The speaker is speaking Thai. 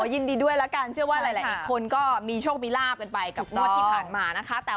ยินดีด้วยแล้วกันเชื่อว่าหลายคนก็มีโชคมีลาบกันไปกับงวดที่ผ่านมานะคะ